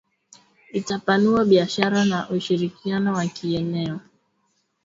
Itapanua biashara na ushirikiano wa kieneo